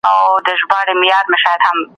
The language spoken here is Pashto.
د محلي ژبو زده کړه په کلتور ساتلو کې مرسته کوي.